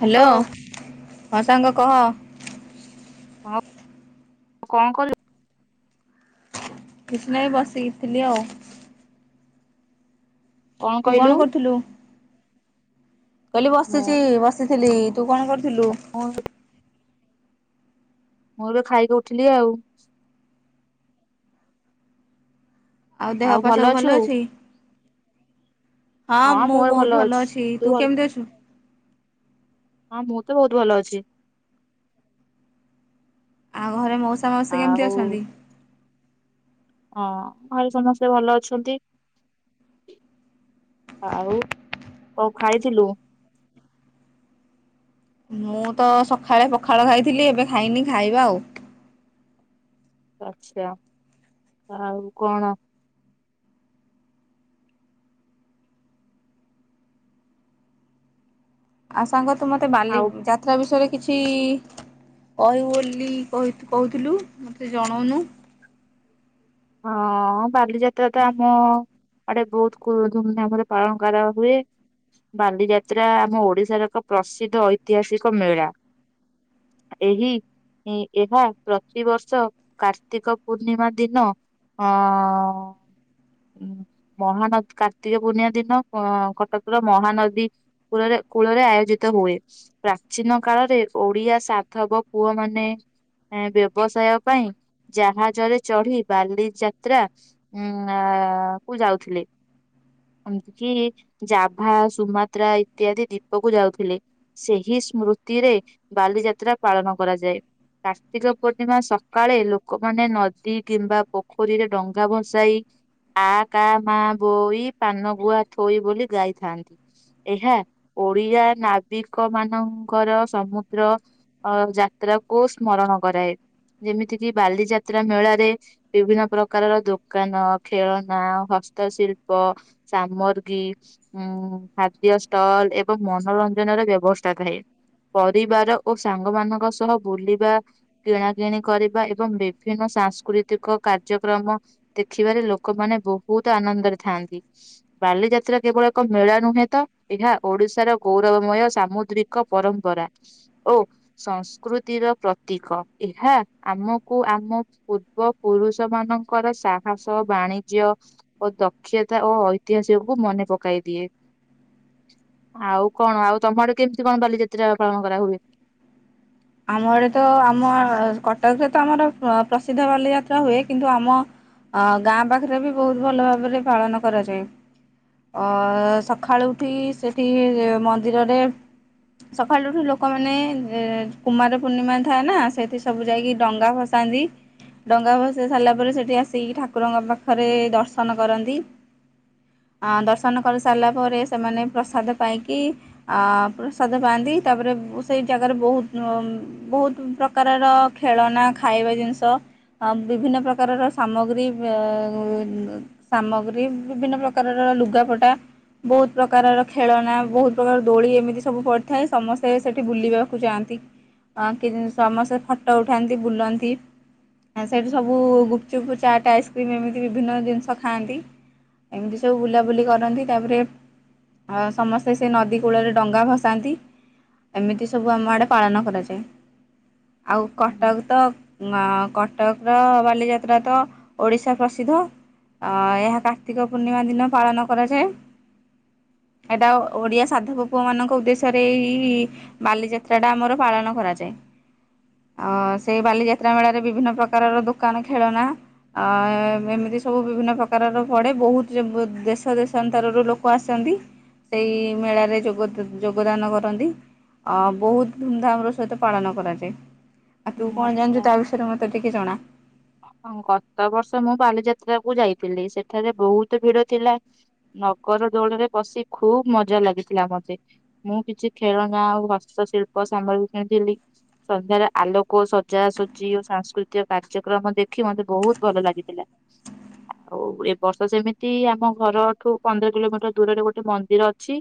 Hello ହଉ ହଁ ସାଙ୍ଗ କହ। କଣ କଣ କର୍ କିଛି ନାଇ ବସିକିଥିଲି ଆଉ। ତୁ କଣ କରୁଥିଲୁ? କହିଲି ବସିଛି ବସି ଥିଲି ତୁ କଣ କରୁ ହ। ମୁଁ ଏବେ ଖାଇକି ଉଠିଲି ଆଉ। ଆଉ ଦେହପା ସବୁ ଭଲ ଅଛି? ହଁ ମୁଁ ବହୁତ ଭଲ ଅଛି। ତୁ କେମିତି ଅଛୁ? ହଁ ମୁଁ ତ ବହୁତ ଭଲ ଅଛି। ଆଉ ଘରେ ମୋ ସମସ୍ତେ କେମିତି ଆଉ ଅଛନ୍ତି? ହଁ ଘରେ ସମସ୍ତେ ଭଲ ଅଛନ୍ତି, ଆଉ କଣ ଖାଇଥିଲୁ? ମୁଁ ତ ସଖାଳେ ପଖାଳ ଖାଇଥିଲି ଏବେ ଖାଇନି ଖାଇବା ଆଉ। ଆଚ୍ଛା, ଆଉ କଣ? ଆଉ ସାଙ୍ଗ ତୁ ମୋତେ ବାଲି ଆଉ ଯାତ୍ରା ବିଷୟରେ କିଛି କହିବୁ ବୋଲି କହି କହୁଥୁଲୁ ମୋତେ ଜଣଉନୁ। ହଁ ବାଲିଯାତ୍ରା ତ ଆମ ଆଡେ ବହୁତୁ କୁ- ଧୁମଧାମ୍ ରେ ପାଳନ କରାହୁଏ, ବାଲିଯାତ୍ରା ଆମ ଓଡିଶାର ଏକ ପ୍ରସିଦ୍ଧ ଐତିହାସିକ ମେଳା, ଏହି ଇ-ଏହା ପ୍ରତିବର୍ଷ କାର୍ତ୍ତିକ ପୂର୍ଣ୍ଣିମା ଦିନ ଅ, ଉଁ, ମହାନଦ କାର୍ତ୍ତିକ ପୂର୍ଣ୍ଣିମା ଦିନ କ-କଟକର ମହାନଦୀ କୂଳରେ କୂଳରେ ଆୟୋଜିତ ହୁଏ, ପ୍ରାଚୀନ କାଳରେ ଓଡିଆ ସାଧବ ପୁଅ ମାନେ ଏଁ, ବ୍ୟବସାୟ ପାଇଁ ଜାହାଜରେ ଚଢି ବାଲି ଯାତ୍ରା ଉଁ, ଆ, କୁ ଯାଉଥିଲେ। ଏମତି କି ଜାଭା, ସୁମାତ୍ରା ଇତ୍ୟାଦି ଦୀପକୁ ଯାଉଥିଲେ, ସେହି ସ୍ମୃତିରେ ବାଲିଯାତ୍ରା ପାଳନ କରାଯାଏ, କାର୍ତ୍ତିକ ପୂର୍ଣ୍ଣିମା ସକାଳେ ଲୋକମାନେ ନଦୀ କିମ୍ବା ପୋଖରୀରେ ଡଙ୍ଗା ଭସାଇ ଆ କା ମା ବୋଇ ପାନଗୁଆ ଥୋଇ ବୋଲି ଗାଇଥାନ୍ତି, ଏହା ଓଡିଆ ନାବିକ ମାନଙ୍କର ସମୁଦ୍ର ଅ, ଯାତ୍ରାକୁ ସ୍ମରଣ କରାଏ, ଯେମିତିକି ବାଲିଯାତ୍ରା ମେଳାରେ ବିଭିନ୍ନ ପ୍ରକାରର ଦୋକାନ, ଖେଳନା ହସ୍ତଶିଳ୍ପ ସାମଗ୍ରୀ ଉଁ, ଖାଦ୍ୟ ଷ୍ଟଲ୍ ଏବଂ ମନୋରଞ୍ଜନର ବ୍ୟବସ୍ଥା ଥାଏ, ପରିବାର ଓ ସାଙ୍ଗ ମାନଙ୍କ ସହ ବୁଲିବା, କିଣାକିଣି କରିବା ଏବଂ ବିଭିନ୍ନ ସାଂସ୍କୃତିକ କାର୍ଯ୍ୟକ୍ରମ ଦେଖିବାରେ ଲୋକମାନେ ବହୁତ ଆନନ୍ଦରେ ଥାଆନ୍ତି। ବାଲିଯାତ୍ରା କେବଳ ଏକ ମେଳା ନୁହେଁ ତ, ଏହା ଓଡିଶାର ଗୌରବମୟ ସାମୁଦ୍ରିକ ପରମ୍ପରା ଓ ସଂସ୍କୃତିର ପ୍ରତୀକ, ଏହା ଆମକୁ ଆମ ପୂର୍ବ ପୁରୁଷ ମାନଙ୍କର ସାହସ ବାଣିଜ୍ୟ ଓ ଦକ୍ଷ ତା ଓ ଐତିହାସିକ କୁ ମନେ ପକାଇ ଦିଏ, ଆଉ କଣ ଆଉ ତୋମ ଆଡେ କେମିତି କଣ ବାଲିଯାତ୍ରା ପାଳନ କରା ହୁଏ? ଆମ ଆଡ଼େ ତ ଆମ କଟକରେ ତ ଆମର ଅ, ପ୍ରସିଦ୍ଧ ବାଲିଯାତ୍ରା ହୁଏ, କିନ୍ତୁ ଆମ ଅ, ଗାଁ ପାଖରେ ବି ବହୁତ ଭଲ ଭାବରେ ପାଳନ କରାଯାଏ, ଅ, ସଖାଳୁ ଉଠି ସେଠି ଏ- ମନ୍ଦିରରେ ସଖାଳୁ ଉଠି ଲୋକମାନେ ଯେ କୁମାର ପୂର୍ଣ୍ଣିମା ଥାଏ ନା ସେଇଠି ସବୁ ଯାଇକି ଡଙ୍ଗା ଭସାନ୍ତି, ଡଙ୍ଗା ଭସେଇ ସାରିଲା ପରେ ସେଠି ଆସିକି ଠାକୁରଙ୍କ ପାଖରେ ଦର୍ଶନ କରନ୍ତି, ଆ, ଦର୍ଶନ କରିସାରିଲା ପରେ ସେମାନେ ପ୍ରସାଦ ପାଇକି ଆ, ପ୍ରସାଦ ପାଆନ୍ତି ତାପରେ ସେଇ ଜାଗାରେ ବହୁତ ଅମ୍- ବହୁତ ପ୍ରକାରର ଖେଳନା, ଖାଇବା ଜିନିଷ ଅ, ବିଭିନ୍ନ ପ୍ରକାରର ସାମଗ୍ରୀ ବେ-ଉନ-ସାମଗ୍ରୀ ବିଭିନ୍ନ ପ୍ରକାରର ଲୁଗାପଟା, ବହୁତ ପ୍ରକାରର ଖେଳନା, ବହୁତ ପ୍ରକାର ଦୋଳି, ଏମିତି ସବୁ ପଡ଼ିଥାଏ ସମସ୍ତେ ସେଠି ବୁଲିବାକୁ ଯାଆନ୍ତି। ଅ, କିନ୍- ସମସ୍ତେ ଫଟୋ ଉଠାନ୍ତି, ବୁଲନ୍ତି, ଏଁ, ସେଇଠି ସବୁ ଗୁପଚୁପ, ଚାଟ୍, ଆଇସ୍କ୍ରିମ୍ ଏମିତି ବିଭିନ୍ନ ଜିନିଷ ଖାଆନ୍ତି, ଏମିତି ସବୁ ବୁଲାବୁଲି କରନ୍ତି, ତାପରେ ଅ, ସମସ୍ତେ ସେ ନଦୀ କୂଳରେ ଡଙ୍ଗା ଭସାନ୍ତି ଏମିତି ସବୁ ଆମ ଆଡେ ପାଳନ କରାଯାଏ। ଆଉ କଟକ ତ ଆଁ, କ ଟକର ବାଲିଯାତ୍ରା ତ ଓଡିଶା ପ୍ରସିଦ୍ଧ, ଅ, ଏହା କାର୍ତ୍ତିକ ପୂର୍ଣ୍ଣିମା ଦିନ ପାଳନ କରାଯାଏ, ଏଟା ଓଡିଆ ସାଧବ ପୁଅ ମାନଙ୍କ ଉଦ୍ଦେଶ୍ୟରେ ଏଇ ବାଲିଯାତ ସେଟା ଆମର ପାଳନ କରାଯାଏ, ଅ ସେଇ ବାଲିଯାତ୍ରା ମେଳାରେ ବିଭିନ୍ନ ପ୍ରକାରର ଦୋକାନ ଖେଳନା, ଅ ଏମିତି ସବୁ ବିଭିନ୍ନ ପ୍ରକାରର ପଡ଼େ, ବହୁତ ଯେ-ବୁ-ଦେଶ ଦେଶନ୍ତରରୁ ଲୋକ ଆସନ୍ତି ସେଇ ମେଳାରେ ଯୋଗଦ ଯୋଗଦାନ କରନ୍ତି ଅ, ବହୁତ ଧୁମଧାମ୍ ର ସହିତ ପାଳନ କରାଯାଏ। ଆଉ ତୁ ହୁଁ କଣ ଜାଣିଚୁ ତା ବିଷୟରେ ମୋତେ ଟିକେ ଜଣା। ହଁ ଗତ ବର୍ଷ ମୁଁ ବାଲିଯାତ୍ରା କୁ ଯାଇଥିଲି ସେଠାରେ ବହୁତ ଭିଡ ଥିଲା, ନଗର ଦୋଳରେ ପଶି ଖୁବ୍ ମଜା ଲାଗିଥିଲା ମୋତେ, ମୁଁ କିଛି ଖେଳନା ଆଉ ହସ୍ତଶିଳ୍ପ ସାମଗ୍ରୀ କିଣିଥିଲି, ସନ୍ଧ୍ୟାରେ ଆଲୋକ ସଜାସଜି ଓ ସାଂସ୍କୃତିକ କାର୍ଯ୍ୟ କ୍ରମ ଦେଖି ମତେ ବହୁତ ଭଲ ଲାଗିଥିଲା, ଆଉ ଏ ବର୍ଷ ସେମିତି ଆମ ଘରଠୁ ପନ୍ଦର କିଲୋମିଟର ଦୂରରେ ଗୋଟେ ମନ୍ଦିର ଅଛି,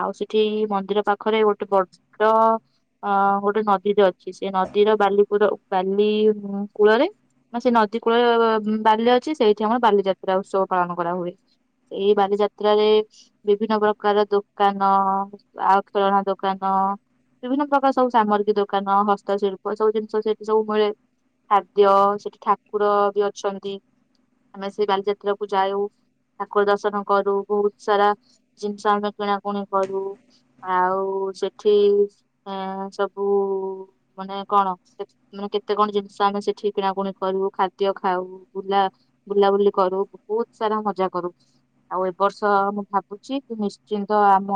ଆଉ ସେଠି ମନ୍ଦିର ପାଖରେ ଗୋଟେ ବଡ ଅ, ଗୋଟେ ନଦୀ ଟେ ଅଛି, ସେ ନଦୀର ବାଲିକୁଡ ବାଲି ଉଁ କୂଳରେ ନ-ସେ ନଦୀ କୂଳର ଉଁ ବାଲି ଅଛି ସେଇଠି ଆମର ବାଲିଯାତ୍ରା ଉତ୍ସବ ପାଳନ କରା ହୁଏ, ଏଇ ବାଲିଯାତ୍ରାରେ ବିଭିନ୍ନ ପ୍ରକାର ଦୋକାନ ଆଉ ଖେଳଣା ଦୋକାନ, ବିଭିନ୍ନ ପ୍ରକାର ସବୁ ସାମଗ୍ରୀ ଦୋକାନ, ହସ୍ତଶିଳ୍ପ ସବୁ ଜିନିଷ ସେଠି ସବୁ ମିଳେ। ଖାଦ୍ୟ ସେଠି ଠାକୁର ବି ଅଛନ୍ତି, ଆମେ ସେଇ ବାଲିଯାତ୍ରା କୁ ଯାଉ ଠାକୁର ଦର୍ଶନ କରୁ, ବହୁତ ସାରା ଜିନିଷ ଆମେ କିଣାକୁଣି କରୁ, ଆଉ ସେଠି ଏଁ ସବୁ ମାନେ କଣ ସେଠି ମାନେ କେତେ କଣ ଜିନି ସ ଆମେ ସେଠି କିଣାକୁଣି କରୁ, ଖାଦ୍ୟ ଖାଉ, ବୁଲା ବୁଲାବୁଲି କରୁ ବହୁତ ସାରା ମଜା କରୁ, ଆଉ, ଏ ବର୍ଷ ମୁଁ ଭାବୁଛି ତୁ ନିଶ୍ଚିନ୍ତ ଆମ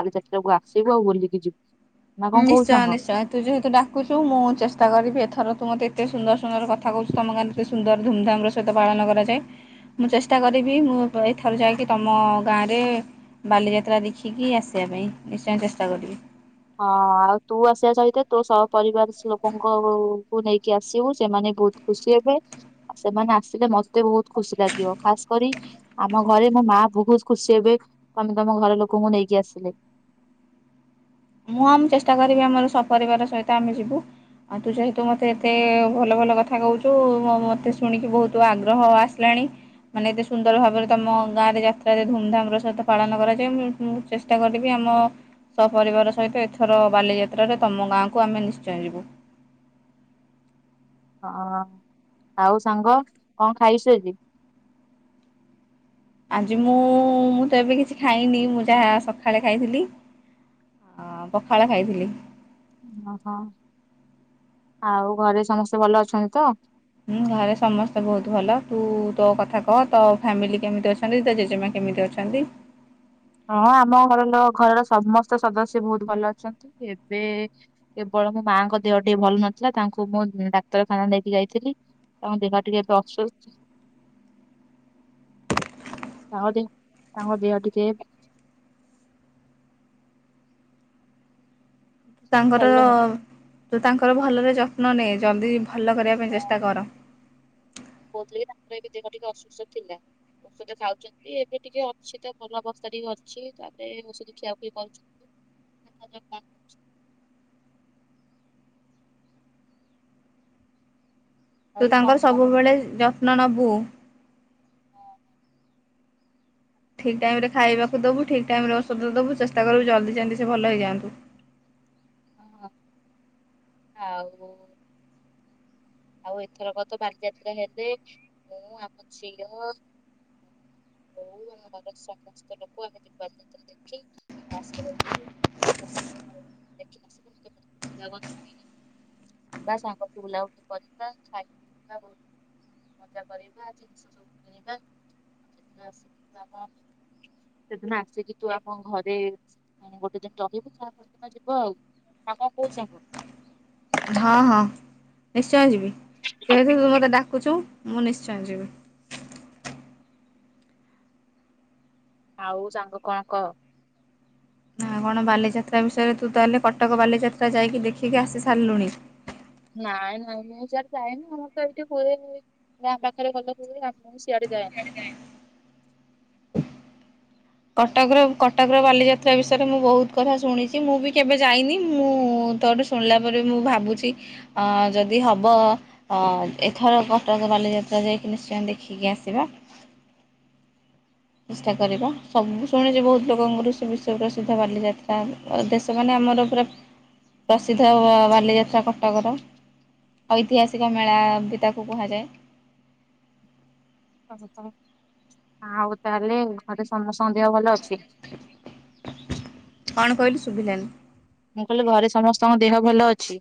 ବାଲିଯାତ୍ରାକୁ ଆସିବୁ ଆଉ ବୁଲିକି ଯିବୁ। ନା କଣ କହୁଛୁ ନିଶ୍ଚୟ ସାଙ୍ଗ? ନିଶ୍ଚୟ ତୁ ଯେହେତୁ ଡାକୁଚୁ ମୁଁ ଚେଷ୍ଟା କରିବି ଏଥର ତୁ ମୋତେ ଏତେ ସୁନ୍ଦର ସୁନ୍ଦର କଥା କହୁଚୁ, ତୋମ ଗାଁରେ ଏତେ ସୁନ୍ଦର ଧୁମଧାମ୍ ର ସହିତ ପାଳନ କରାଯାଏ, ମୁଁ ଚେଷ୍ଟା କରିବି ମୁଁ ଏଥର ଯାଇକି ତୋମ ଗାଁରେ ବାଲିଯାତ୍ରା ଦେଖିକି ଆସିବା ପାଇଁ ନିଶ୍ଚୟ ଚେଷ୍ଟା କରିବି। ହଁ ଆଉ ତୁ ଆସିବା ସହିତ ତୋ ସ ପରିବାର ଲୋକଙ୍କ କୁ ନେଇକି ଆସିବୁ, ସେମାନେ ବହୁତ ଖୁସି ହେବେ, ଆଉ ସେମାନେ ଆସିଲେ ମୋତେ ବହୁତ ଖୁସି ଲାଗିବ, ଖାସ୍ କରି ଆମ ଘରେ ମୋ ମା ବହୁତ ଖୁସି ହେବେ, ତୋମେ ତୋମ ଘର ଲୋକଙ୍କୁ ନେଇକି ଆସିଲେ। ମୁଁ ଆମ ଚେଷ୍ଟା କରିବି ଆମର ସପରିବାର ସହିତ ଆମେ ଯିବୁ, ଆଉ ତୁ ଯେହେତୁ ମୋତେ ଏତେ ଭଲ ଭଲ କଥା କହୁଚୁ, ମୋତେ ଶୁଣିକି ବହୁତ ଆଗ୍ରହ ଆସିଲାଣି ମାନେ ଏତେ ସୁନ୍ଦର ଭାବରେ ତୋମ ଗାଁ ରେ ଯାତ୍ରା ଧୁମଧାମ୍ ର ସହିତ ପାଳନ କରାଯାଏ, ମୁଁ ମୁଁ ଚେଷ୍ଟା କରିବି ଆମ ସପରିବାର ସ ସହିତ ଏଥର ବାଲିଯାତ୍ରାରେ ତୋମ ଗାଁକୁ ଆମେ ନିଶ୍ଚୟ ଯିବୁ। ହଁ ଆଉ ସାଙ୍ଗ କଣ ଖାଇସୁ ଆଜି? ଆଜି ମୁଁ ମୁଁ ତ ଏବେ କିଛି ଖାଇନି ମୁଁ ଯାହା ସଖାଳେ ଖାଇଥିଲି ଆ, ପଖାଳ ଖାଇଥିଲି। ଓହୋ ଆଉ ଘରେ ସମସ୍ତେ ଭଲ ଅଛନ୍ତି ତ? ହୁଁ ଘରେ ସମସ୍ତେ ବହୁତ ଭଲ, ତୁ ତୋ କଥା କହ ତୋ ଫ୍ୟାମିଲି କେମିତି ଅଛନ୍ତି? ହଁ ଆମ ଘର ଲୋ ଘରର ସମସ୍ତ ସଦସ୍ୟ ବହୁତ ଭଲ ଅଛନ୍ତି। ଏବେ କେବଳ ମୋ ମାଙ୍କ ଦେହ ଟିକେ ଭଲ ନଥିଲା ତାଙ୍କୁ ମୁଁ ଡାକ୍ତରଖାନା ନେଇକି ଯାଇଥିଲି, ତାଙ୍କ ଦେହ ଟିକେ ଏବେ ଅସୁସ୍ ତାଙ୍କ ଦେହ ତାଙ୍କ ଦେହ ଟିକେ ତାଙ୍କର ହ୍ୟାଲୋ ତ ତାଙ୍କର ଭଲରେ ଯତ୍ନ ନେ ଜଲଦି ଭଲ କରିବା ପାଇଁ ଚେଷ୍ଟା କର ମୁଁ କହୁଥିଲି କି ତାଙ୍କର ଏବେ ଦେହ ଟିକେ ଅସୁସ୍ଥ ଥିଲା, ଔଷଧ ଖାଉଛନ୍ତି ଏବେ ଟିକେ ଅଛି ତ ଭଲ ଅବସ୍ଥା ଟିକେ ଅଛି ତାପରେ ଔଷଧ ଖିଆଖିଇ କରୁଛନ୍ତି ଦେଖାଯାଉ‌‌କଣ ହେଉଛି। ତୁ ଆଉ କଣ ତାଙ୍କର କଣ ସବୁବେଳେ ଯତ୍ନ ନବ୍ ବୁ ଠିକ ଟାଇମରେ ଖାଇବାକୁ ଦବୁ ଠିକ ଟାଇମରେ ଔଷଧ ଦବୁ ଚେଷ୍ଟା କରିବୁ ଜଲଦି ଯେମିତି ସେ ଭଲ ହେଇଯାଆନ୍ତୁ। ହଁଅଅ ଆଉ ଆଉ ଏଥରକ ତ ବାଲିଯାତ୍ରା ହେଲେ ମୁଁ ଆମ ଝିଅ [inaudible] ବୋଉ ଆମ ଘରର ସମସ୍ତ ଲୋକ ଆମେ ଯିବୁ ବାଲିଯାତ୍ରା ଦେଖି [inaudible] ଖୁସି ଲାଗନ୍ତା ଯିବା ସାଙ୍ଗହେଇକି ବୁଲାବୁଲି କରିବା ଖାଇବା [inaudible] ମଜା କରିବା ଜିନିଷ ସବୁ କିଣିବା ଆଉ ସେଦିନ ଆସିକି ତୁ ଆମ ସେଦିନ ଆସିକି‌ ତୁ ଆମ ଘରେ ଗୋଟେ ଦିନ ରହିବୁ ତାପରଦିନ ଯିବୁ ଆଉ, ନା କଣ କହୁଛୁ ସାଙ୍ଗ? ହଁ ହଁ ନିଶ୍- ନିଶ୍ଚୟ ଯିବି, ଯେହେତୁ [unintelligible] ଡାକୁଛୁ ମୁଁ ନିଶ୍ଚୟ ଯିବି। ଆଉ ସାଙ୍ଗ କଣ କଅ? ନା କଣ ବାଲିଯାତ୍ରା ବିଷୟରେ ତୁ ତାହେଲେ କଟକ ବାଲିଯାତ୍ରା ଯାଇକି ଦେଖିକି ଆସି ସାରିଲୁଣି? ନାଇଁ ନାଇଁ ମୁଁ ସିଆଡେ ଯାଏନି ଆମର ତ ଏଇଠି ହୁଏ, ଗାଁଆ ପାଖରେ ହେଲେ ହୁଏ ଆ ମୁଁ ସିଆଡେ ଯାଏନି। କଟକର କଟକର ବାଲିଯାତ୍ରା ବିଷୟରେ ମୁଁ ବହୁତ କଥା ଶୁଣିଛି ମୁଁ ବି କେବେ ଯାଇନି ମୁଁଉଉ ତୋଠୁ ଶୁଣିଲା ପରେ ମୁଁ ଭାବୁଛି ଅଁଅଁ ଯଦି ହବ ଏଥର କଟକ ବାଲିଯାତ୍ରା ଯାଇକି ନିଶ୍ଚୟ ଦେଖିକି ଆସିବା। ଚେଷ୍ଟା କରିବା, ସବୁ ଶୁଣିଛି ବହୁତ ଲୋକଙ୍କଠୁ ସେ ବିଶ୍ୱପ୍ରସିଦ୍ଧ ବାଲିଯାତ୍ରା ଏ ବେଶ୍ ସେମାନେ ଆମର ପୁରା ପ୍ରସ୍- ପ୍ରସିଦ୍ଧ ବାଲିଯାତ୍ରା କଟକର, ଐତିହାସିକ ମେଳା ବି ତାକୁ କୁହାଯାଏ। [inaudible] ଆଉ ତାହେଲେ ଘରେ ସମସ୍ତଙ୍କ ଦେହ ଭଲ ଅ- ଅଛି। କଣ କହିଲୁ ଶୁଭିଲାନି? ମୁଁ କହିଲି ଘରେ ସମସ୍ତଙ୍କ ଦେହ ଭଲ ଅଛି।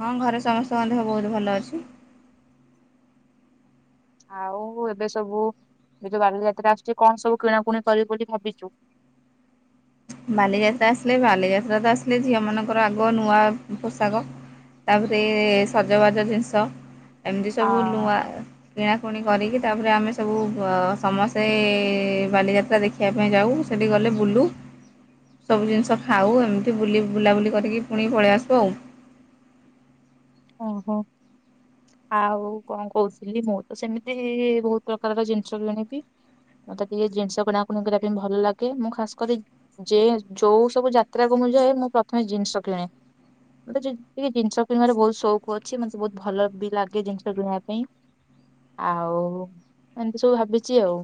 ହଁ ଘରେ ସମସ୍ତଙ୍କ ଦେହ ବହୁତ ଭଲ ଅଛି। ଆଉ ଏବେ ସବୁ ଏ ଯୋଉ ବାଲିଯାତ୍ରା ଆସୁଛି କଣ ସବୁ କିଣାକୁଣି କରିବି ବୋଲି ଭାବିଛୁ? ବାଲିଯାତ୍ରା ଆସିଲେ ବାଲିଯାତ୍ରା ତ ଆସିଲେ ଝିଅ ମାନଙ୍କର ଆଗ ନୂଆ ପୋଷାକ ତାପରେ ସଜବାଜ ଜିନିଷ। ଏମିତି ଆ ସବୁ ନୂଆ କିଣା। ପୁଣି କରିକି ତାପରେ ଆମେ ସବୁ ସମସ୍ତେଏଏ ବାଲିଯାତ୍ରା ଦେଖିବା ପାଇଁ ଯାଉ ସେଠି ଗଲେ ବୁଲୁ। ସବୁ ଜିନିଷ ଖାଉ ଏମିତି ବୁଲି ବୁଲାବୁଲି କରିକି ପୁଣି ପଳେଇ ଆସୁ ଆଉ। ଓହୋଃ ଆଉ କଣ କହୁଥିଲି ମୁଁ ତ ସେମିତି ବହୁତ ପ୍ରକାରର ଜିନିଷ କିଣିବି ମତେ ଟିକେ ଜିନିଷ କିଣାକୁଣି କରିବା ପାଇଁ ଭଲ ଲାଗେ ମୁଁ ଖାସ୍ କରି ଯ ଯୋଉ ସବୁ ଯାତ୍ରାକୁ ମୁଁ ଯାଏ ମୁଁ ପ୍ରଥମେ ଜିନିଷ କିଣେ ମତେ ଟିକେ ଜିନିଷ କିଣିବାରେ ବହୁତ ସ୍ ସଉକ ଅଛି ମୋତେ ବହୁତ ଭଲ ବି ଲାଗେ ଜିନିଷ କିଣିବା ପାଇଁ ଆଉଉ ଏମିତି ସବୁ ଭାବିଛି ଆଉ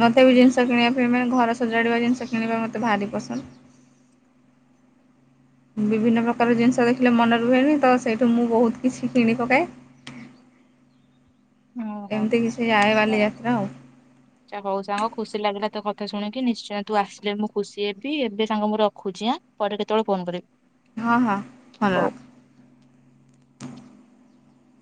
ମତେ ବି ଜିନିଷ କିଣିବା ପାଇଁ ମାନେ ଘର ସ ସଜାଡ଼ିବା ଜିନିଷ କିଣିବା ମୋତେଭାରି ପସନ୍ଦ୍। ବିଭିନ୍ନ ପ୍ରକାର ଜିନିଷ ଦେଖିଲେ ମନେ ରୁହେନି ତ ସେଇଠୁ ମୁଁ ବହୁତ କିଛି କିଣି ପକାଏ। ଓହୋଃ ଏମିତି କିଛି ଯାଏ ଆଛା ବାଲିଯାତ୍ରା ଆଉ ଆଛା ହଉ ସାଙ୍ଗ ଖୁସି ଲାଗିଲା ତୋ କଥା ଶୁଣିକି ନିଶ୍ଚୟ ତୁ ଆସିଲେ ମୁଁ ଖୁସି ହେବି ଏବେ ସାଙ୍ଗ ମୁଁ ରଖୁଛି ଆଁ ପରେ କେତେବେଳେ ଫୋନ କରିବି। ହଁ ହଁ ଫୋନ୍ ହଉ। ରଖ।